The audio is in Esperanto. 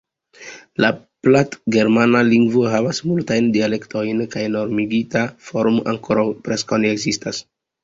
La platgermana lingvo havas multajn dialektojn kaj normigita formo ankoraŭ preskaŭ ne ekzistas.